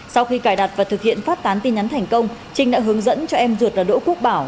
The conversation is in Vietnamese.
sau khi cài đặt và thực hiện phát tán tin nhắn thành công trinh đã hướng dẫn cho em ruột là đỗ quốc bảo